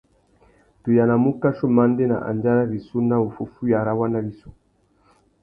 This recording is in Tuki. Tu yānamú ukachi umandēna andjara rissú nà wuffúffüiya râ waná wissú.